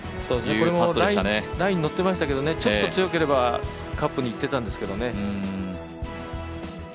これもラインに乗っていましたけど、ちょっと強ければカップに行っていたんですけどね。